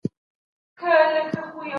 که ته حق ته تسلیم شې نو مقام به دې لوړ شي.